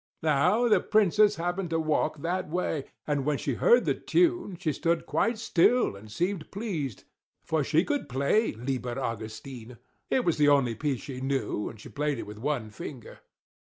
Now the Princess happened to walk that way; and when she heard the tune, she stood quite still, and seemed pleased; for she could play "Lieber Augustine"; it was the only piece she knew; and she played it with one finger.